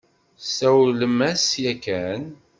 Tesawlem-as yakan?